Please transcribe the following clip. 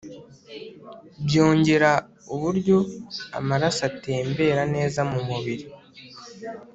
byongera uburyo amaraso atembera neza mu mubiri